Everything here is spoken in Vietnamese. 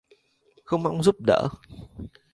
Không mong giúp đở